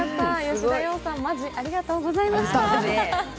吉田羊さん、マジ、ありがとうございました。